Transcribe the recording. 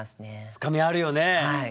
深みあるよね。